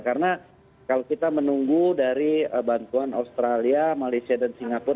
karena kalau kita menunggu dari bantuan australia malaysia dan singapura